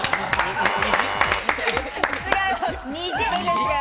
違います。